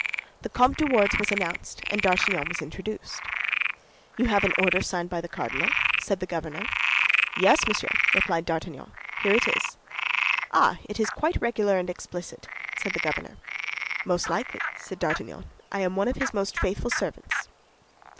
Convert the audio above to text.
The Comte de Wardes was announced, and D'Artagnan was introduced. "You have an order signed by the cardinal?" said the governor. "Yes, monsieur," replied D'Artagnan; "here it is." "Ah, ah! It is quite regular and explicit," said the governor. "Most likely," said D'Artagnan; "I am one of his most faithful servants."